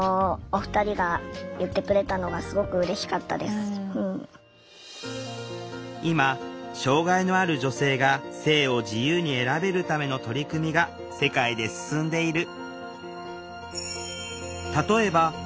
すごく積極的に今障害のある女性が性を自由に選べるための取り組みが世界で進んでいる。